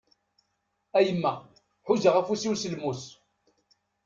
A yemma, ḥuzaɣ afus-iw s lmus!